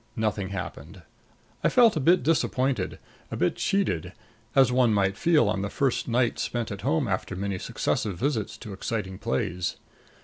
Nothing happened. I felt a bit disappointed, a bit cheated, as one might feel on the first night spent at home after many successive visits to exciting plays.